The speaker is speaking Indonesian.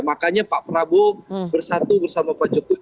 makanya pak prabowo bersatu bersama pak jokowi